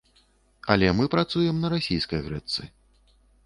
Але мы працуем на расійскай грэчцы.